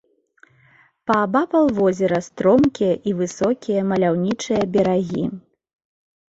Паабапал возера стромкія і высокія маляўнічыя берагі.